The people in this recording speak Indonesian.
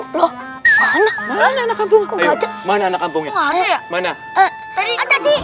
oh lho magnanak campur k hima re